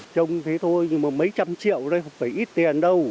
trông thế thôi nhưng mà mấy trăm triệu đây không phải ít tiền đâu